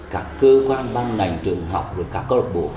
các cơ quan ban ngành trường học các cơ lộc bộ